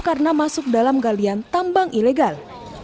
karena masuk dalam galian tambang ilegal